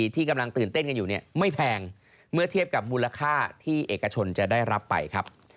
ที่กำลังตื่นเต้นกันอยู่เนี่ยไม่แพงเมื่อเทียบกับมูลค่าที่เอกชนจะได้รับไปครับ